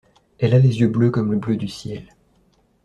Elle a les yeux bleus comme le bleu du ciel.